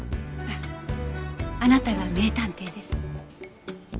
あなたが名探偵です。